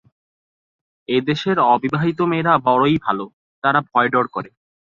এদেশের অবিবাহিত মেয়েরা বড়ই ভাল, তারা ভয় ডর করে।